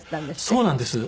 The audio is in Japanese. そうなんです。